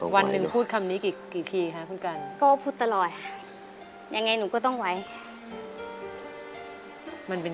วันนี้คุณการใช่ไหม